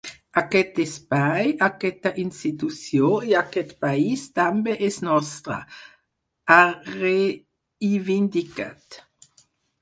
Aquest espai, aquesta institució i aquest país també és nostre, ha reivindicat.